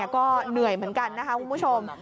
ก็เหนื่อยเหมือนกันนะคะคุณผู้ชม